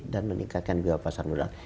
dan meningkatkan biwa pasar modal